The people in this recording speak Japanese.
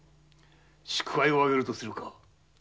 祝杯を上げるとするか。